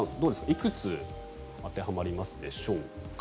いくつ当てはまりますでしょうか？